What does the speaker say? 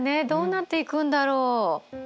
どうなっていくんだろう？